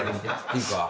いいか？